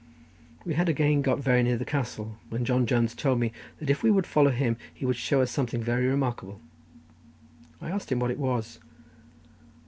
We had again got very near the castle, when John Jones told me that if we would follow him, he would show us something very remarkable: I asked him what it was.